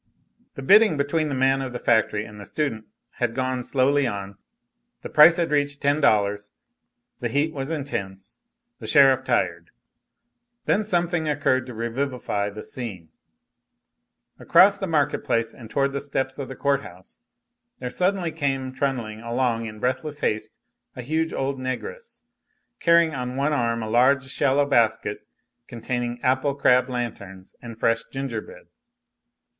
The bidding between the man of the factory and the student had gone slowly on. The price had reached ten dollars. The heat was intense, the sheriff tired. Then something occurred to revivify the scene. Across the market place and toward the steps of the court house there suddenly came trundling along in breathless haste a huge old negress, carrying on one arm a large shallow basket containing apple crab lanterns and fresh gingerbread.